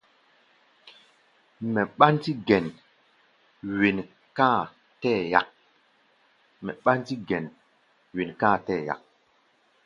Mɛ ɓándí gɛn wen ká a tɛɛ́ yak.